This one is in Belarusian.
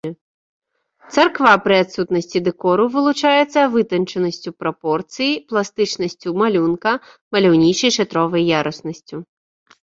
Царква пры адсутнасці дэкору вылучаецца вытанчанасцю прапорцый, пластычнасцю малюнка, маляўнічай шатровай яруснасцю.